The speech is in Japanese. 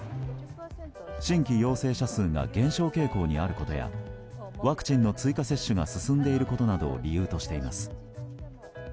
新規陽性者数が減少傾向にあることやワクチンの追加接種が進んでいることなどを理由としています。